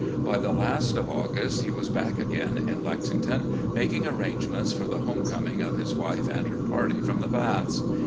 By the la.st of August he was back again in Lexington, making arrangements for the home coming of his wife and her party from the Baths.